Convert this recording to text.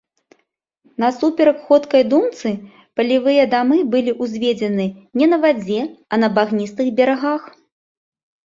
Насуперак ходкай думцы, палевыя дамы былі ўзведзены не на вадзе, а на багністых берагах.